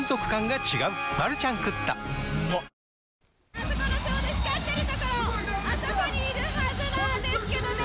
あそこのちょうど光ってる所、あそこにいるはずなんですけどね。